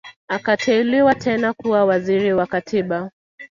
Akateuliwa tena kuwa Waziri wa Katiba